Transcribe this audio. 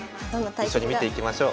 一緒に見ていきましょう。